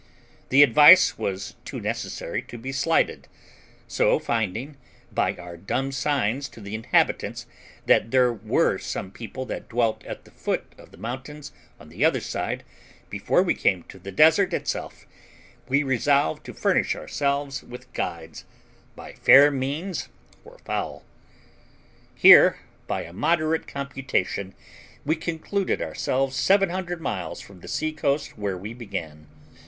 The advice was too necessary to be slighted; so finding, by our dumb signs to the inhabitants, that there were some people that dwelt at the foot of the mountains on the other side before we came to the desert itself, we resolved to furnish ourselves with guides by fair means or foul. Here, by a moderate computation, we concluded ourselves 700 miles from the sea coast where we began.